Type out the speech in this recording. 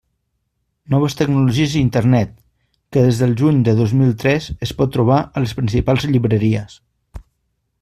Noves tecnologies i Internet, que des del juny de dos mil tres es pot trobar a les principals llibreries.